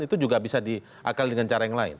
itu juga bisa diakal dengan cara yang lain